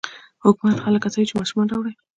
حکومت خلک هڅوي چې ماشومان راوړي.